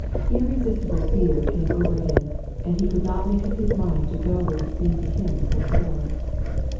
Irresistible fear came over him, and he could not make up his mind to go where it seemed to him so perilous.